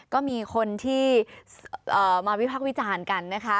ก็มีคนที่มาวิพักวิจารณ์กันนะคะ